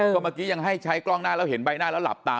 ก็เมื่อกี้ยังให้ใช้กล้องหน้าแล้วเห็นใบหน้าแล้วหลับตา